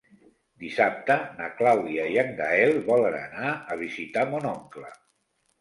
Dissabte na Clàudia i en Gaël volen anar a visitar mon oncle.